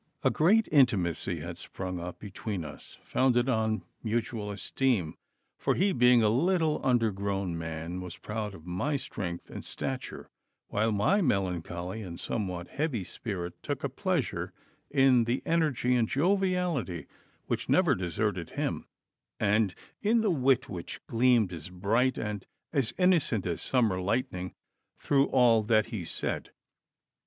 A great intimacy had sprung up between us, founded on mutual esteem, for he being a little undergrown man was proud of my strength and stature, while my melancholy and somewhat heavy spirit took a pleasure in the energy and joviality which never deserted him, and in the wit which gleamed as bright and as innocent as summer lightning through all that he said.